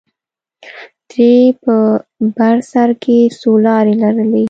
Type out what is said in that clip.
درې په بر سر کښې څو لارې لرلې.